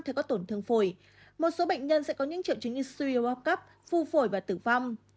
thể có tổn thương phổi một số bệnh nhân sẽ có những triệu chứng như suy hoa cắp phu phổi và tử vong